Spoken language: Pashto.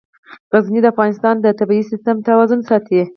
غزني د افغانستان د طبعي سیسټم توازن ساتي.